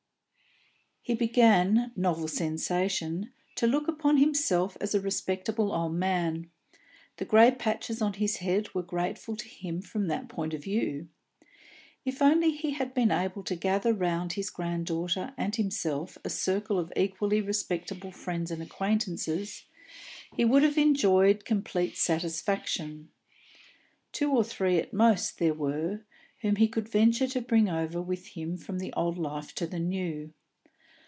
He began novel sensation to look upon himself as a respectable old gentleman; the grey patches on his head were grateful to him from that point of view. If only he had been able to gather round his granddaughter and himself a circle of equally respectable friends and acquaintances, he would have enjoyed complete satisfaction. Two or three at most there were, whom he could venture to bring over with him from the old life to the new.